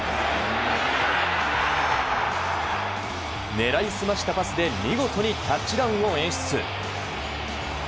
狙い澄ましたパスで見事にタッチダウンを演出。